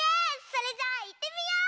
それじゃあいってみよう！